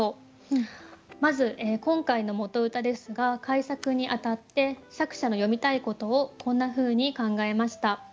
まず今回の元歌ですが改作にあたって作者の詠みたいことをこんなふうに考えました。